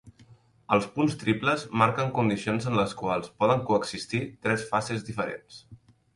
Els punts triples marquen condicions en les quals poden coexistir tres fases diferents.